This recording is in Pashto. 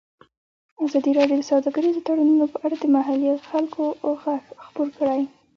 ازادي راډیو د سوداګریز تړونونه په اړه د محلي خلکو غږ خپور کړی.